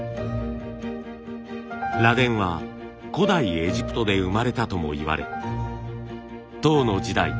螺鈿は古代エジプトで生まれたともいわれ唐の時代